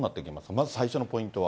まず最初のポイントは。